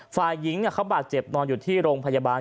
ฝ่ายหญิงเขาบาดเจ็บนอนอยู่ที่โรงพยาบาล